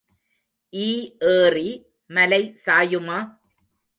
ஈ ஏறி மலை சாயுமா?